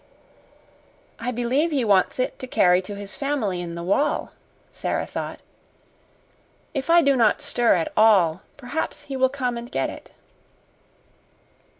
"I believe he wants it to carry to his family in the wall," Sara thought. "If I do not stir at all, perhaps he will come and get it."